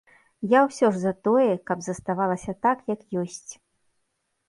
Я ўсё ж за тое, каб заставалася так, як ёсць.